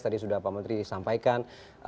tadi sudah pak menteri sampaikan